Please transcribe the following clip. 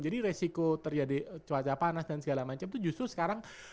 jadi resiko terjadi cuaca panas dan segala macem tuh justru sekarang